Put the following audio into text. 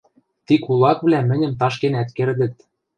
Ти кулаквлӓ мӹньӹм ташкенӓт кердӹт.